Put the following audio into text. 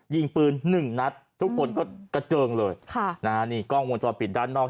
ยิงปืนหนึ่งนัดทุกคนก็กระเจิงเลยค่ะนะฮะนี่กล้องวงจรปิดด้านนอก